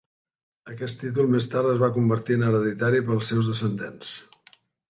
Aquest títol més tard es va convertir en hereditari per als seus descendents.